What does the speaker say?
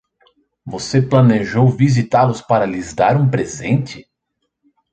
Você planejou visitá-los para lhes dar um presente?